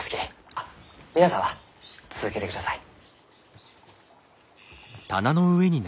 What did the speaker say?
あっ皆さんは続けてください。